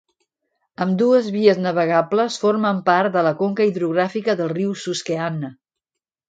Ambdues vies navegables formen part de la conca hidrogràfica del riu Susquehanna.